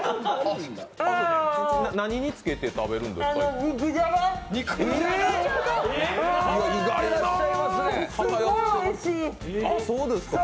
何につけて食べるんですか？